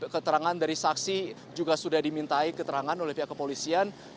keterangan dari saksi juga sudah dimintai keterangan oleh pihak kepolisian